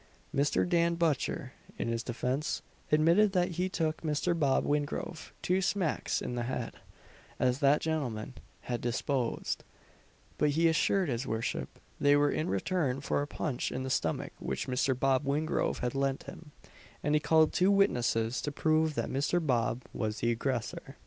Mr. Dan Butcher, in his defence, admitted that he took Mr. Bob Wingrove two smacks in the head, as that gentleman had deposed, but he assured his worship they were in return for a punch in the stomach which Mr. Bob Wingrove had lent him; and he called two witnesses to prove that Mr. Bob was the aggressor.